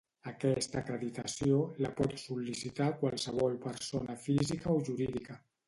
Aquesta acreditació la pot sol·licitar qualsevol persona física o jurídica.